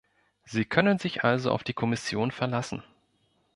Sie können sich also auf die Kommission verlassen.